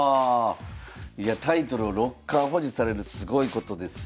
いやタイトルを六冠保持されるのすごいことです。